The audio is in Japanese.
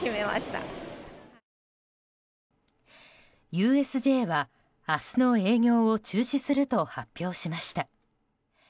ＵＳＪは明日の営業を中止すると発表しました。